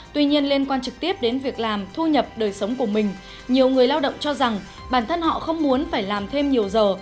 tuy nhiên liên quan trực tiếp đến việc làm thu nhập đời sống của mình nhiều người lao động cho rằng bản thân họ không muốn phải làm thêm nhiều giờ